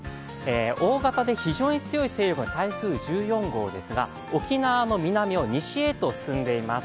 大型で非常に強い勢力の台風１４号ですが沖縄の南を西へと進んでいます。